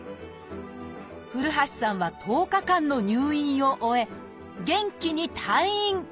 古橋さんは１０日間の入院を終え元気に退院！